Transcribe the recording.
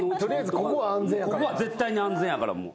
ここは絶対に安全やから。